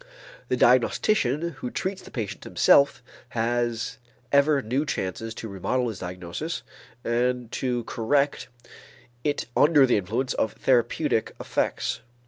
The diagnostician who treats the patient himself has ever new chances to remodel his diagnosis and to correct it under the influence of therapeutic effects.